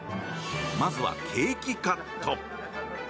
まずは、ケーキカット。